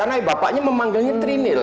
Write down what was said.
karena bapaknya memanggilnya trinil